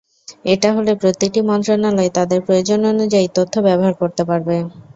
এটা হলে প্রতিটি মন্ত্রণালয় তাদের প্রয়োজন অনুযায়ী তথ্য ব্যবহার করতে পারবে।